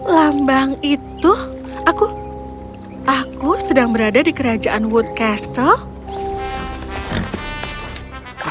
lambang itu aku sedang berada di kerajaan woodcastle